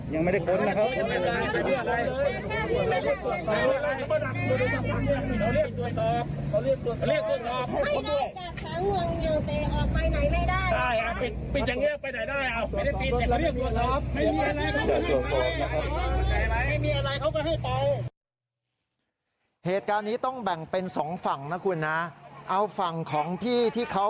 ยังไม่ได้คุ้นยังไม่ได้คุ้นยังไม่ได้คุ้นนะครับพระเจ้าพระเจ้า